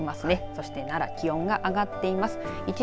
そして奈良気温が上がっています。